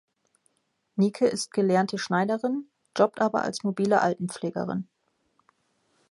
Nike ist gelernte Schneiderin, jobbt aber als mobile Altenpflegerin.